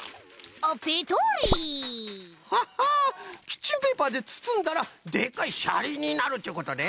キッチンペーパーでつつんだらでっかいシャリになるっちゅうことね。